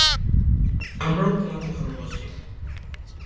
আমরাও তোমাকে ভালোবাসি।